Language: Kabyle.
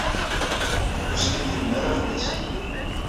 Ur skiddiben ara fell-asen.